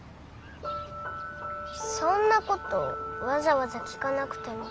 そんなことわざわざ聞かなくても。